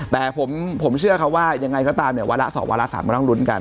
แต่ผมเชื่อว่ายังไงก็ตามวันละ๒วันละ๓ต้องรุ้นกัน